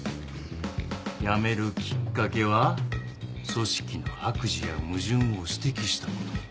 辞めるきっかけは組織の悪事や矛盾を指摘した事。